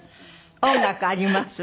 音楽あります。